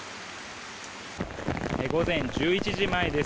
午前１１時前です。